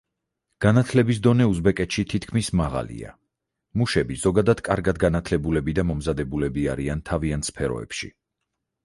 განათლების დონე უზბეკეთში თითქმის მაღალია, მუშები, ზოგადად, კარგად განათლებულები და მომზადებული არიან თავიანთ სფეროებში.